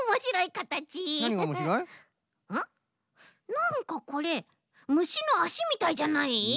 なんかこれむしのあしみたいじゃない？